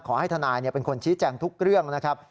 ขอให้ทนายเป็นคนชี้แจงทุกเรื่องนะครับ